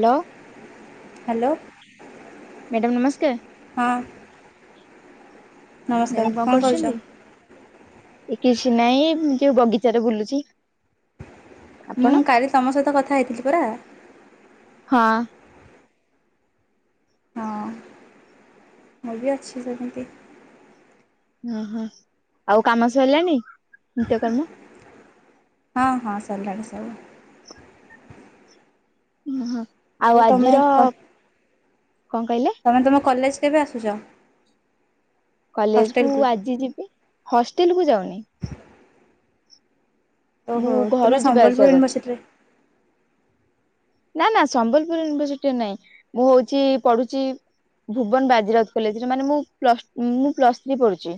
ଲ hello. Madam ନମସ୍କାର। ହଁ। ନମସ୍କାର ମେମ୍ କଣ କରୁଛ? କରୁଛନ୍ତି? ଏ କିଛି ନାହିଁ ଯୋଉ ବଗିଚାରେ ବୁଲୁଚି। ମୁଁ କାଲି ତମ ସହିତ କଥା ହେଇଥିଲି ପରା। ହଁ। ହଁ ମୁଁ ବି ଅଛି ସେମିତି। ଓ ହୋ ଆଉ କାମ ସଇଲାଣି ନିତ୍ୟକର୍ମ? ହଁ ହଁ ସରିଲାଣି ସରିଲାଣି। ଉଁ ହଁ ଆଉ ଆଜିର କଣ କହିଲେ? ମାନେ ତୁମେ କଲେଜ୍ କେବେ ଆସୁଚ? କଲେଜ୍ କୁ ଆଜି ଯିବି ହଷ୍ଟେଲ କୁ ଯାଉନି। ମୁଁ ଓହୋ ଘରୁ ତୁମେ ଯିବା ଆସିବା ସମ୍ବଲପୁର କରୁଛି ୟୁନିଭର୍ସିଟିରେ ନା ନା ସମ୍ବଲପୁର ୟୁନିଭର୍ସିଟିରେ ନାଇଁ। ମୁଁ ହଉଛି ପଢୁଛି ଭୁବନ ବାଜିରାଉତ କଲେଜରେ ମାନେ ମୁଁ ପ୍ଲସ୍ ମୁଁ ପ୍ଲସ୍ ଥ୍ରୀ ପଢୁଚି।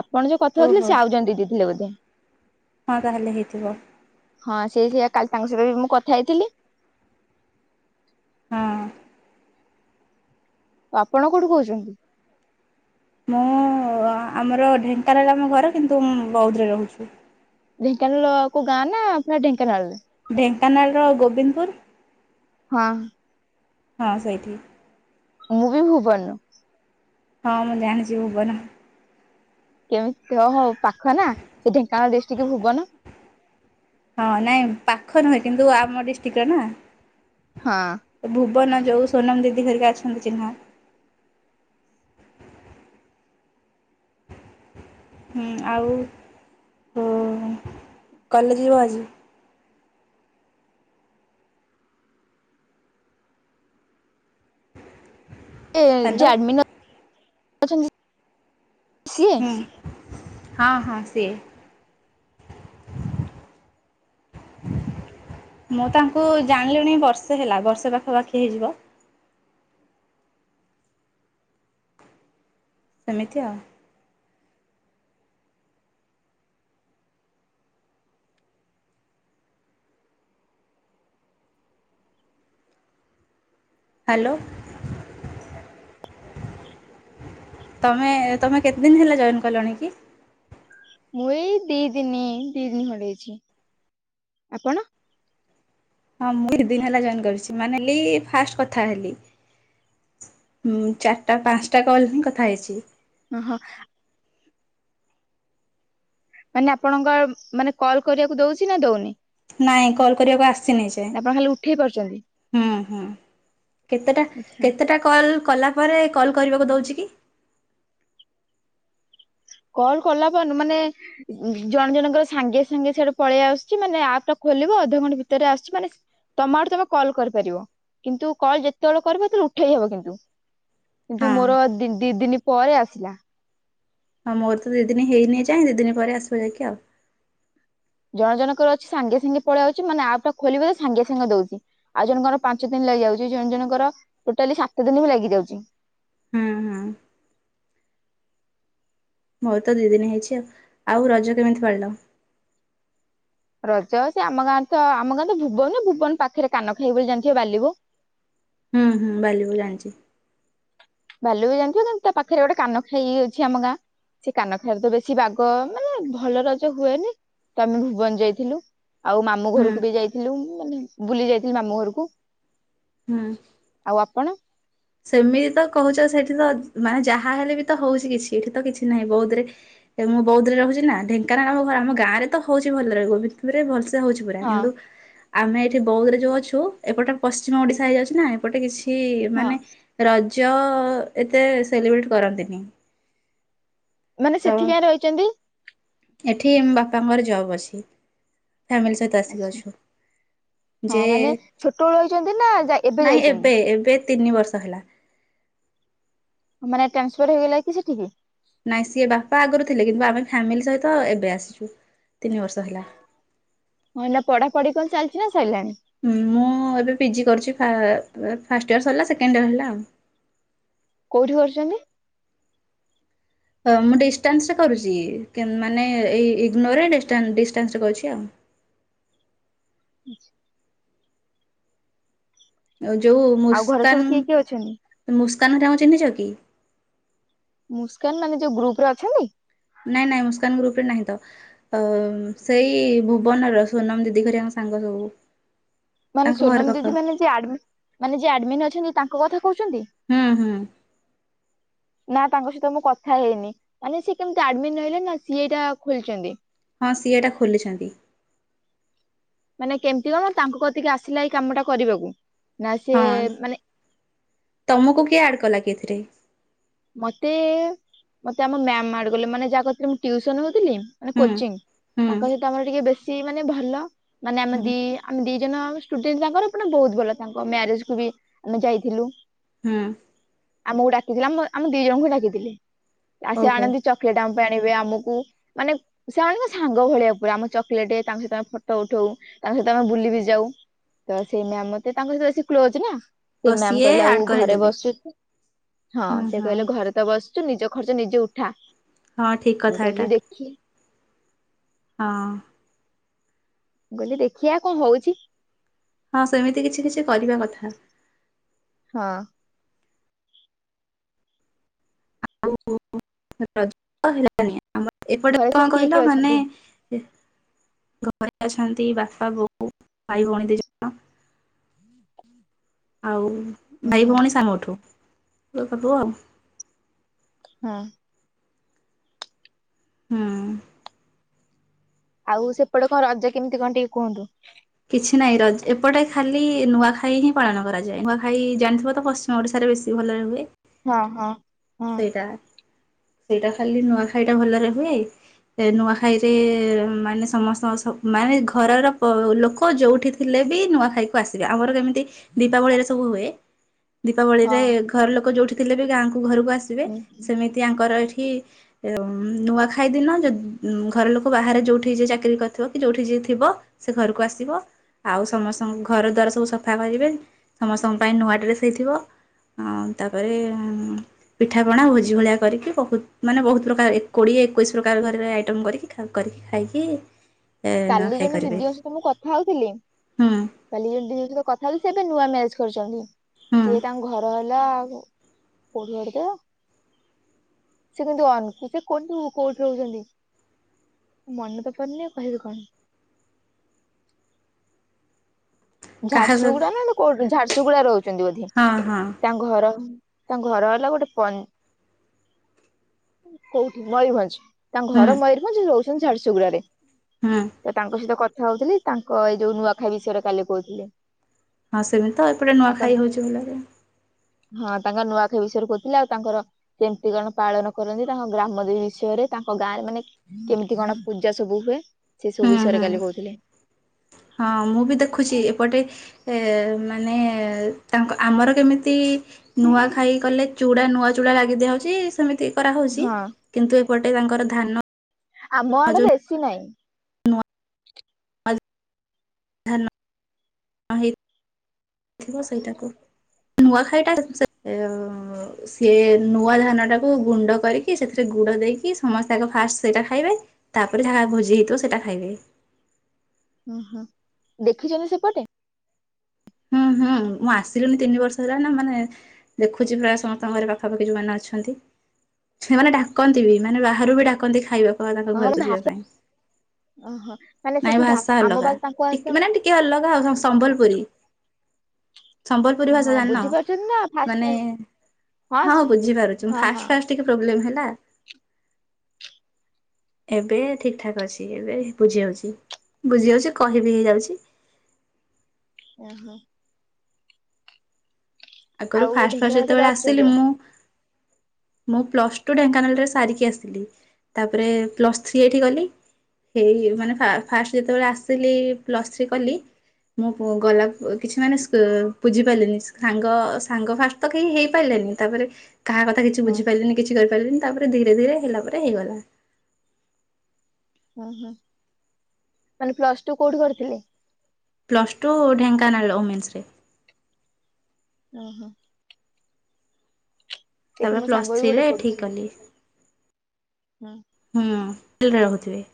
ଆପଣ ଯୋଉ କଥା ହେଉଥିଲେ ଓହୋ ସେ ଆଉ ଜଣେ ଦିଦି ଥିଲେ ବୋଧେ? ହଁ ତାହେଲେ ହେଇଥିବ। ହଁ ସେ ସେଇଆ କାଲି ତାଙ୍କ ସହିତ ବି ମୁଁ କଥା ହେଇଥିଲି। ହଁ। ଆପଣ କୋଉଠୁ କହୁଛନ୍ତି? ମୁଁ ଆମର ଢେଙ୍କାନାଳର ଆମ ଘର କିନ୍ତୁ ମୁଁ ବୌଦ୍ଧରେ ରହୁଛୁ। ଢେଙ୍କାନାଳ କୋଉ ଗାଁ ନା ପୁରା ଢେଙ୍କାନାଳରେ? ଢେଙ୍କାନାଳର ଗୋବିନ୍ଦପୁର। ହଁ। ହଁ ସେଇଠି। ମୁଁ ବି ଭୁବନ ରୁ। ହଁ ମୁଁ ଜାଣିଛି ଭୁବନ। କେମିତି ଓହୋ ପାଖନା ସେଠିକା ଡିଷ୍ଟ୍ରିକ୍ଟ୍ ଭୁବନ। ହଁ ନାଇଁ ପାଖ ନୁହେ କିନ୍ତୁ ଆମ ଡିଷ୍ଟ୍ରିକ୍ଟର ନା। ହଁ। ଭୁବନ ଯୋଉ ସୋନମ ଦିଦି ଧରିକି ଘଟିକା ଅଛନ୍ତି ଚିହ୍ନା। ହୁଁ ଆଉ କଲେଜ ଯିବ ଆଜି? ହ୍ୟାଲୋ [unintelligible] ହୁଁ ହଁ ହଁ ସିଏ। ଆ [unintelligible] ମୁଁ ତାଙ୍କୁ ଜାଣିଲିଣି ବର୍ଷେ ହେଲା ବର୍ଷେ ପାଖାପାଖି ହେଇଯିବ। ସେମିତିଆ ଆଉ। ହ୍ୟାଲୋ ତମେ ତମେ କେତେ ଦିନ ହେଲା ଜଏନ କଲଣି କି? ମୁଁ ଏଇ ଦି ଦିନ ଦି ଦିନ ହଇଛି। ଆପଣ? ହଁ ମୁଁ ଦଇ ଦିନ ହେଲା ଜଏନ୍ କରିଛି ମାନେ ହେ ଫାଷ୍ଟ କଥା ହେଲି। ହୁଁ ଚାରିଟା ପାଞ୍ଚଟା କଲ ହିଁ କଥା ହେଇଛି। ଓହୋ। ମାନେ ଆପଣଙ୍କ ମାନେ କଲ କରିବାକୁ ଦଉଛି ନା ଦଉନି? ନାଇଁ କଲ୍ କରିବାକୁ ଆସିନି ସେ ଆପଣ ଖାଲି ଉଠେଇ ପାରୁଛନ୍ତି? ହୁଁ ହୁଁ କେତେଟା ଆଚ୍ଛା କେତେଟା କଲ୍ କଲା ପରେ କଲ୍ କରିବାକୁ ଦେଉଛି କି? କଲ୍ କଲା ପରେନୁ ମାନେ ଜଣେ ଜଣଙ୍କର ସାଙ୍ଗେ ସାଙ୍ଗେ ସେଇଠେ ପଳେଇ ଆସୁଛି ମାନେ ଆପ୍ ଟା ଖୋଲିବ ଅଧଘଣ୍ଟା ଭିତରେ ଆସୁଛି ମାନେ ତମ ଆଡୁ ତମେ କଲ୍ କରିପାରିବ କିନ୍ତୁ କଲ୍ ଯେତେବେଳେ କରିବ ସେତେବେଳେ ଉଠେଇହବ କିନ୍ତୁ କିନ୍ତୁ ହଁ ମୋର ଦି ଦିନ ପରେ ଆସିଲା। ହଁ ମୋର ତ ଦି ଦିନ ହେଇନି ଯାଇଁ ଦି ଦିନ ପରେ ଆସିବ ଯାଇକି ଆଉ। ଜଣ ଜଣଙ୍କର ଅଛି ସାଙ୍ଗେ ସାଙ୍ଗେ ପଳେଇ ଯାଉଛି ମାନେ ଆପ୍ ଟା ଖୋଲିବ ସାଙ୍ଗେ ସାଙ୍ଗେ ଦଉଛି। ଆଉ ଜଣଙ୍କର ପାଞ୍ଚ ଦିନ ଲାଗି ଯାଉଛି ଜଣ ଜଣଙ୍କର ଟୋଟାଲି ସାତ ଦିନ ବି ଲାଗି ଯାଉଛି। ହୁଁ ହୁଁ। ମୋ ତ ଦି ଦିନ ହେଇଛି ଆଉ। ଆଉ ରଜ କେମିତି ପଳିଲ? ରଜ ସେ ଆମ ଗାଁ ତ ଆମ ଗାଁ ତ ଭୁବନ ନା ଭୁବନ ପାଖରେ କାନ ଖାଇବ ବୋଲି ଜାଣିଥିବ ବାଲିିବୁ। ହୁଁ ହୁଁ ବାଲିବ ଜାଣିଛି। ବାଲୁ ବି ଜାଣିଥିବ କିନ୍ତୁ ତା ପାଖରେ ଗୋଟେ କାନ ଖାଇ ଅଛି ଆମ ଗାଁ। ସେ କାନ ଖାଇାରେ ତ ବେଶୀ ବାଗ ମାନେ ଭଲ ରଜ ହୁଏନି ତ ଆମେ ଭୁବନ ଯାଇଥିଲୁ। ଆଉ ମାମୁଁ ହୁଁ ଘରକୁ ବି ଯାଇ ମୁ ମାନେ ବୁଲି ଯାଇଥିଲି ମାମୁଁ ଘରକୁ। ହୁଁ। ଆଉ ଆପଣ? ସେମିତି ତ କହୁଛ ସେଠି ତ ମାନେ ଯାହା ହେଲେ ବି ତ ହଉଛି କିଛି ଏଠି ତ କିଛି ନାହିଁ ବୌଧରେ ମୁଁ ବୌଦ୍ଧରେ ରହୁଛି ନା ଢେଙ୍କାନାଳ ଆମ ଘର ଆମ ଗାଁରେ ତ ହଉଛି ଭଲରେହୋରେ ଭଲ ହଉଛି ପୁରା ହଁ କିନ୍ତୁ ଆମେ ଏଠି ବୌଦ୍ଧରେ ଯୋଉ ଅଛୁ ଏପଟ ପଶ୍ଚିମ ଓଡିଶା ହେଇଯାଉଛି ନା ଏପଟେ କିଛି ହଁ ମାନେ ରଜ ଏତେ ସେଲିବ୍ରେଟ କରନ୍ତିନି। ମାନେ ସେଠିିକାଇଁ ରହିଛନ୍ତି? ଏଠିମ ବାପାଙ୍କର ଜବ୍ ଅଛି ଫାମିଲି ସ ଆଚ୍ଛା। ଆସଛୁ ହଁ ଯେ ମାନେ ଛୋଟବେଳୁ ରହିଛନ୍ତି ନା ଯା ନାଇଁ ଯାଇଛନ୍ତି ଏବେ ଏବେ ତିନି ବର୍ଷ ହେଲା। ମାନେ ଟ୍ରାନ୍ସଫର ହେଇଗଲା କି ସେଠିକି? ନାଇଁ ସିଏ ବାପା ଆଗରୁ ଥିଲେ କିନ୍ତୁ ଆମେ ଫ୍ୟାମିଲି ସହିତ ଏବେ ଆସିଛୁ ତିନି ବର୍ଷ ହେଲାଣି। ହଁ ନା ପଢା ପଢି କଣ ଚାଲିଛି ନା ସାରିଲାଣି? ମୁଁ ଏବେ ପି ଜି କରୁଛି ଫାଷ୍ଟ ଇୟର୍ ସରିଲା ସେକେଣ୍ଡ ଇୟର୍ ହେଲା ଆଉ। କୋଉଠି କରୁଛନ୍ତି? ହଁ ମୁଁ ଡିଷ୍ଟାନ୍ସରେ କରୁଚି ମାନେ ଏଇ ଇଗନୋର ରେ ଡିଷ୍ଟା-ଡିଷ୍ଟାନ୍ସରେ କରୁଚି ଆଉ। ଆଉ ଯଉ ଆଉ ଘରେ ମୁସ୍କାନ୍ ସବୁ କିଏ କିଏ ଅଛନ୍ତି? ମୁସ୍କାନ୍ ହେକା କୁ କାମ ଚିହ୍ନିଚ କି? ମୁସ୍କାନ୍ ମାନେ ଯଉ ଗ୍ରୁପରେ ଅଛନ୍ତି? ନାଇଁ ନାଇଁ ମୁସ୍କାନ୍ ଗ୍ରୁପରେ ନାହିଁ ତ। ଅ -ସେଇ ଭୁବନର ସୋନମ୍ ଦିଦି ହରିଆଙ୍କ ସାଙ୍ଗ ସବୁ। ମାନେ ତାଙ୍କ ଘର ସୋନମ୍ ପାଖ। ଦିଦି ମାନେ- ଯିଏ ଆଡମି-ମାନେ ଯିଏ ଆଡମିନ୍ ଅଛନ୍ତି ତାଙ୍କ କଥା କହୁଚନ୍ତି? ହୁଁ -ହୁଁ। [inaudible] ନା ତାଙ୍କ ସହିତ ମୁଁ କଥା ହେଇନି ମାନେ ସିଏ କେମିତି ଆଡମିନ୍ ରହିଲେନା ସିଏ ଏଇଟା ଖୋଲିଚନ୍ତି। ହଁ ସିଏ ଏଟା ଖୋଲିଚନ୍ତି। ମାନେ କେମିତି କଣ ତାଙ୍କୁ କତିକି ଆସିଲା ଏଇ କାମଟା କରିବାକୁ ନାସିଏ ହଁ ମାନେ ତମକୁ କିଏ ଆଡ୍ କଲାକି ଏଥିରେ? ମତେ -ମତେ ଆମ ମ୍ୟାମ୍ ଆଡ୍ କଲେ ମାନେ ଯାହା କତିରେ ମୁଁ ଟ୍ୟୁସନ୍ ହଉଥିଲି ମାନେ ହୁଁ କୋଚିଂ ହୁଁ ତାଙ୍କ ସହିତ ଆମର ଟିକେ ବେଶୀ ମାନେ ଭଲ ମାନେ ଆମେ ହୁଁ ଦି ଆମେ ଦି ଜଣ ଷ୍ଟୁଡେଣ୍ଟ୍ ତାଙ୍କର ମାନେ ବହୁତ୍ ଭଲ ତାଙ୍କ ମ୍ୟାରେଜ୍ କୁବି ଆମେ ଯାଇଥିଲୁ। ହୁଁ ଆମକୁ ଡାକିଥିଲା ଆମ -ଆମ ଦି ଜଣଙ୍କୁ ଡାକିଥିଲେ ଆସେ ଓହୋ ଆଣନ୍ତି ଚକଲେଟ୍ ଆମ ପାଇଁ ଆଣିବେ ଆମକୁ ମାନେ ସେମାନେ ସାଙ୍ଗ ଭଳିଆ ପୁରା ଆମ ଚକଲେଟ୍ ତାଙ୍କ ସହିତ ଆମେ ଫଟୋ ଉଠଉ। ତାଙ୍କ ସହିତ ଆମେ ବୁଲିବି ଯାଉ ତସେଇ ମ୍ୟାମ୍ ମତେ ତାଙ୍କ ସହିତ ବେଶି କ୍ଲୋଜ୍ ନା ସେ ଓ ମ୍ୟାାମ୍ ସିଏ କହିଲେ ଆଉ ଆଡ୍ ଘରେ କରିଦେଲେ। ବସିଚୁ ହଁ। ହୁଁ ହୁଁ ଘରେତ ବସିଚୁ ନିଜ ଖର୍ଚ ନିଜେ ଉଠା ହଁ ଠିକ୍ ମୁଁ କଥା ଏଟା କହିଲି ଦେଖି ହଁ। ମୁଁ କହିଲି ଦେଖିଆ କଣ ହଉଚି। ହଁ ସେମିତି କିଛି କିଛି କରିବା କଥା। ହଁ। [unintelligible] ଏପଟେ ଘରେ ସବୁ କଣ କିଏ କହିଲ କିଏ ମାନେ ଅଛନ୍ତି? ଘରେ ଅଛନ୍ତି ବାପା ବୋଉ ଭାଇ ଭଉଣୀ ଦି ଜ ଆଉ ହୁଁ ଭାଇ ହୁଁ ଭଉଣୀ ସାନ ମଠୁ [unintelligible] ହଁ। ହୁଁ। ଆଉ ସେପଟେ କଣ ରଜ କେମିତି କଣ ଟିକେ କୁହନ୍ତୁ? କିଛି ନାହିଁ ରଜ ଏପଟେ ଖାଲି ନୂଆଖାଇହିଁ ପାଳନ କରାଯାଏ ନୂଆଖାଇ ଜାଣିଥିବତ ପଶ୍ ଓଡ଼ିଶାରେ ବେଶୀ ଭଲରେ ହୁଏ। ହଁ- ହଁ ହଁ। ଟା ସେଇଟା ଖାଲି ନୂଆଖାଇଟା ଭଲରେ ହୁଏ। ନୂଆଖାଇରେ ମାନେ ସମସ୍ତଙ୍କ ସ- ମାନେ ଘରର ଲୋକ ଯଉଠି ଥି ଥିଲେବି ନୂଆଖାଇକୁ ଆସିବେ ଆମର ଯେମିତି ଦୀପାବଳିରେ ସବୁ ହୁଏ ହଁ ଦୀପାବଳିରେ ଘର ଲୋକ ଯଉଠି ଥିଲେବି ଗାଁକୁ ଘରକୁ ଆସିବେ ହୁଁ ହୁଁ। ସେମିତି ଆଙ୍କର ଏଠି ନୂଆଖାଇ ଦିନ ଯେଦି ଘର ଲୋକ ବାହାରେ ଯଉଠି ଯିଏ ଚାକିରି କରିଥିବ କିଯଉଠି ଯିଏ ଥିବ ସେ ଘରକୁ ଆସିବ। ଆଉ ସମସ୍ତଙ୍କ ଘର ଦ୍ୱାର ସବୁ ସଫା କରିବେ ସମସ୍ତଙ୍କ ପାଇଁ ନୂଆ ଡ୍ରେସ୍ ହେଇଥିବ ଆଉ ତାପରେ ପିଠାପଣା ଭୋଜି ଭଳିଆ କରିକି ବହୁତ୍ ମାନେ ବହୁତ୍ ପ୍ରକାର କୋଡ଼ିଏ ଏକୋଇଶି ପ୍ରକାର ଘରେ ଆଇଟମ୍ କରିକି ଖା ଆ କରିକି ଖାଇକି କାଲି ନୂଆଖାଇ ଜଣେ କରିବେ ଦିଦିଙ୍କ ସହିତ ମୁଁ କଥା ହଉଥିଲି ହୁଁ କାଲି ଦିଦିଙ୍କ ସହିତ କଥା ହେଇଥିଲି ସେଏବେ ନୂଆ ମ୍ୟାରେଜ୍ କରିଚନ୍ତି ହୁଁ ସିଏ ତାଙ୍କ ଘର ହେଲା ପୋଢିଆଢି ଦ ସେ କିନ୍ତୁ [unintelligible] କୋଉଠି ରହୁଚନ୍ତି? ମନେ ତ ପଡୁନି ଆଉ କହିବି କଣ। କାହା ସହ ଝାରସୁଗୁଡା ନା ଏମତି କୋଉଠି ଝାରସୁଗୁଡାରେ ରହୁଛନ୍ତି ବୋଧେ। ହଁ ହଁ ତା ଘର ତାଙ୍କ ଘର ହେଲା ଗୋଟେ ପନ୍ କୋଉଠି ମୟୂରଭଞ୍ଜ ତାଙ୍କ ହୁଁ ଘର ମୟୂରଭଞ୍ଜ ସେ ରହୁଛନ୍ତି ଝାରସୁଗୁଡାରେ। ହୁଁ। ଏ ତାଙ୍କ ସହିତ କଥା ହଉଥିଲି, ତାଙ୍କ ଏଇ ଯୋଉ ନୂଆଖାଇ ବିଷୟରେ କାଲି କହୁଥିଲେ। ହଁ ସେମିତି ତ ଏପଟେ ନୂଆ ତାଙ୍କ ଖାଇ ହଉଚି ଭଲରେ। ହଁ ତାଙ୍କ ନୂଆଖାଇ ବିଷୟରେ କହୁଥିଲେ ଆଉ ତାଙ୍କର କେମିତି କଣ ପାଳନ କରନ୍ତି ତାଙ୍କ ଗ୍ରାମଦେବୀ ବିଷୟରେ ତାଙ୍କ ଗାଁରେ ମାନେ କେମିତି କଣ ପୂଜା ସବୁ ହୁଏ ସେ ହୁଁ ସବୁ ବିଷୟରେ ହୁଁ କାଲି କହୁଥିଲେ। ହଁ ମୁଁ ବି ଦେଖୁଚି ଏପଟେ ଏ ମାନେ ତାଙ୍କ ଆମର କେମିତି ନୂଆଖାଇ କଲେ ଚୁଡା ନୂଆ ଚୁଡା ଲାଗି ଦିଆହଉଚି ସେମିତି କରାହଉଚି। ହଁ କିନ୍ତୁ ଏପଟେ ତାଙ୍କର ଧାନ ଆମ ଆଡେ ବେଶୀ ନାହିଁ। ନୂଆ [unintelligible] ଧାନ [unintelligible] ଥିବ ସେଇଟାକୁ, ନୂଆଖାଇଟା [unintelligible] ସିଏ ନୂଆ ଧାନ ଟାକୁ ଗୁଣ୍ଡ କରିକି ସେଥିରେ ଗୁଡ ଦେଇକି ସମସ୍ତେ ଆଗ ଫାଷ୍ଟ ସେଇଟା ଖାଇବେ। ତାପରେ ଯାହା ଭୋଜି ହେଇଥିବ ସେଟା ଖାଇବେ। ଉଁ ହୁଁ। ଦେଖିଛନ୍ତି ସେପଟେ? ହୁଁ ହୁଁ। ମୁଁ ଆସିଲିଣି ତିନି ବର୍ଷ ହେଲାଣି ନା ମାନେ ଦେଖୁଚି ପ୍ରାୟ ସମସ୍ତଙ୍କ ଘରେ ପାଖାପାଖି ଯୋଉମାନେ ଅଛନ୍ତି। ସେମାନେ ଡାକନ୍ତି ବି ମାନେ ବାହାରୁ ବି ଡାକନ୍ତି ଖାଇବା [unintelligible] ଓ ହୋ। ନାଇଁ ଭାଷା ଅଲଗା। ଟି ମାନେ ଟିକେ ଅଲଗା ଆଉ ସମ୍ବଲପୁରୀ। ସମ୍ବଲପୁରୀ ଭାଷା ହଁ ଜାଣିନ, ବୁଝିପାରୁଛନ୍ତି ନା ମାନେ ଫାଷ୍ଟ ହଁ ଫାଷ୍ଟ ବୁଝିପାରୁଚୁ। ମୁଁ ହଁ ହଁ ଫାଷ୍ଟ ଫାଷ୍ଟ ଟିକେ ପ୍ରୋବ୍ଲେମ୍ ହେଲା। ଏବେ ଠିକ୍ ଠାକ୍ ଅଛି। ଏବେ ବୁଝି ହଉଚି ବୁଝି ହଉଚି କହିବି ହେଇଯାଉଚି। ଅଁ ହଁ। ଆଗରୁ ଆଉ ଫାଷ୍ଟ ଫାଷ୍ଟ ଢେଙ୍କାନାଳ କେବେ ଯେତେବେଳେ ଆସୁଛନ୍ତି ଆସିଲି ଆଉ ମୁଁ ମୁଁ ପ୍ଲସ ଟୁ ଢେଙ୍କାନାଳରେ ସାରିକି ଆସିଥିଲି। ତାପରେ ପ୍ଲସ୍ ଥ୍ରୀ ଏଇଠି କଲି। ହେଇ ମାନେ ଫା ଫାଷ୍ଟ ଯେତେବେଳେ ଆସିଲି ପ୍ଲସ ଥ୍ରୀ କଲି ମୁଁ ଗଲା କିଛି ମାନେ ବୁଝି ପାରିଲିନି। ସା ଙ୍ଗ ସାଙ୍ଗ ଫାଷ୍ଟ ତ କେହି ହେଇ ପାରିଲେନି, ତାପରେ କାହା କଥା କିଛି ହଁ ବୁଝିପାରିଲିନି। କିଛି କରିପାରିଲିନି, ତାପରେ ଧୀରେ ଧୀରେ ହେଲା ପରେ ହେଇଗଲା। ଉଁ ହୁଁ। ମାନେ ପ୍ଲସ୍ ଟୁ କୋଉଠି କରିଥିଲେ? ପ୍ଲସ ଟୁ ଢେଙ୍କାନାଳ ରେ ଓମେନ୍ସ ରେ। ଉଁ ହୁଁ। ଏଠି ତାପରେ ମୋ ସାଙ୍ଗ ପ୍ଲସ ବି ଗୋଟେ ଥ୍ରୀରେ ଏଠି ପଢୁଛି। କଲି। ହୁଁ। ହୁଁ [unintelligible]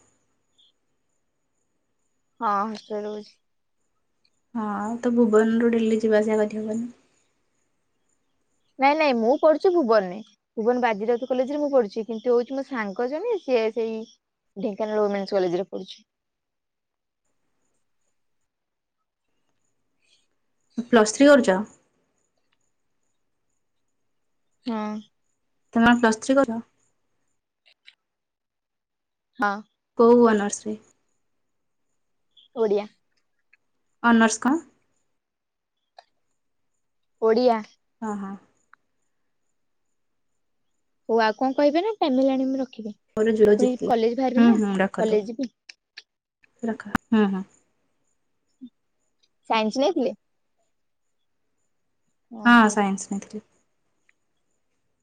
ହଁ ହଷ୍ଟେଲରେ ରହୁଚି। ହଁ। ତ ଭୁବନରୁ ଡେଲି ଯିବା ଆସିବା କରି ହେବନି। ନାଇଁ ନାଇଁ ମୁଁ ପଡ଼ୁଚି ଭୁବନ ରେ। ଭୁବନ ବାଜିରାଉତୁ କଲେଜ ରେ ମୁଁ ପଡ଼ୁଚି କିନ୍ତୁ ହଉଛି ମୋ ସାଙ୍ଗ ଜଣେ ସିଏ ସେଇ ଢେଙ୍କାନାଳ ଓ ମେନ୍ସେ୍ କଲେଜରେ ପଢୁଛି। ପ୍ଲସ୍ ଥ୍ରୀ କରୁଚ। ହଁ। ତମେକଣ ପ୍ଲସ୍ ଥ୍ରି କର? ହଁ। କୋଉ ଅନର୍ସ ରେ? ଓଡ଼ିଆ। ଅନର୍ସ କଣ? ଓଡ଼ିଆ। ହଁ ହଁ। ହଉ ଆଉ କଣ କହିବେ ନା ଫ୍ୟାମିଲି ଆଣି ମୁଁ ରଖିବେ। ମୋର ଜୁଲୋଜି ଥିଲା ହୁଁ ହୁଁ ରଖନ୍ତୁ କଲେଜ ଯିବି ରଖ ହୁଁ ହୁଁ। ସାଇନ୍ସ୍ ନେଇଥିଲେ? ହଁ ଓହୋ। ସାଇନ୍ସ୍ ନେଇଥିଲି।